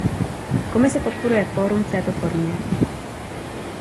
Komise podporuje fórum v této formě.